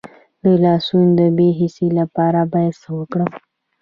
د لاسونو د بې حسی لپاره باید څه وکړم؟